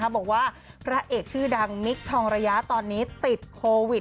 บอกว่าพระเอกชื่อดังมิคทองระยะตอนนี้ติดโควิด